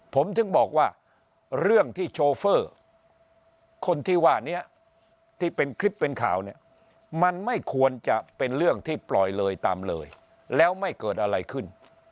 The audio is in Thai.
ผมถึงบอกว่าเรื่องที่โชเฟอร์คนที่ว่านี้ที่เป็นคลิปเป็นข่าวเนี่ยมันไม่ควรจะเป็นเรื่องที่ปล่อยเลยตามเลยแล้วไม่เกิดอะไรขึ้น